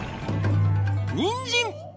にんじん！